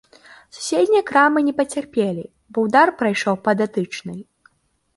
Суседнія крамы не пацярпелі, бо ўдар прайшоў па датычнай.